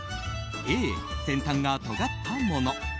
Ａ、先端がとがったもの。